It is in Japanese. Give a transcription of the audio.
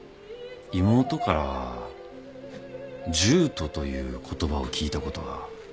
妹からジュートという言葉を聞いたことは。